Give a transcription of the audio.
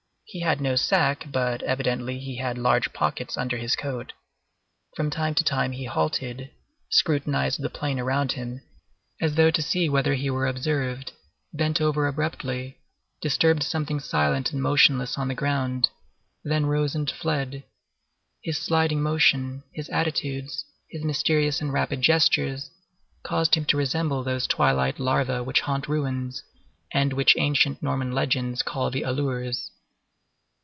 He had no sack, but evidently he had large pockets under his coat. From time to time he halted, scrutinized the plain around him as though to see whether he were observed, bent over abruptly, disturbed something silent and motionless on the ground, then rose and fled. His sliding motion, his attitudes, his mysterious and rapid gestures, caused him to resemble those twilight larvæ which haunt ruins, and which ancient Norman legends call the Alleurs.